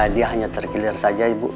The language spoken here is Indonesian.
dia hanya terkelir saja ibu